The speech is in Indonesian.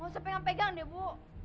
gak usah pegang pegang deh bu